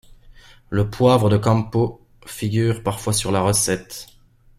Le poivre de Kampot figure parfois sur la recette.